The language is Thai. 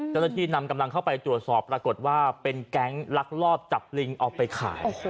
เจ้าหน้าที่นำกำลังเข้าไปตรวจสอบปรากฏว่าเป็นแก๊งลักลอบจับลิงเอาไปขาย